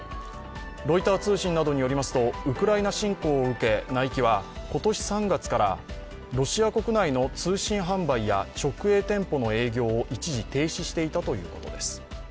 ロイター通信などによりますとウクライナ侵攻を受けナイキは今年３月からロシア国内の通信販売や直営店舗の営業を一時停止していたということです。